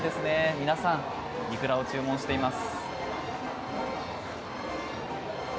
皆さんイクラを注文しています。